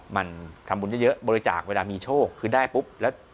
มันทำบุญเยอะบริจาคเวลามีโชคคือได้ปุ๊บแล้ว